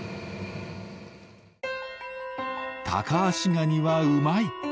タカアシガニはうまい！